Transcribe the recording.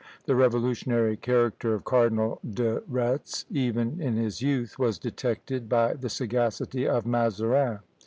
The revolutionary character of Cardinal de Retz, even in his youth, was detected by the sagacity of Mazarin.